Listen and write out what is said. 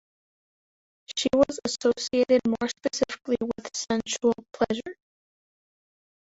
She was associated more specifically with sensual pleasure.